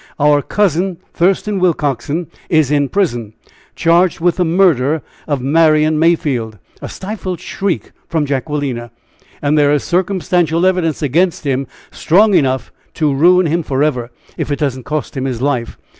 Our cousin, Thurston Willcoxen, is in prison, charged with the murder of Marian Mayfield" a stifled shriek from Jacquelina "and there is circumstantial evidence against him strong enough to ruin him forever, if it does not cost him his life.